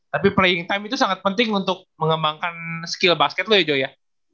tapi playing time itu sangat penting untuk mengembangkan skill basket loh ya joy ya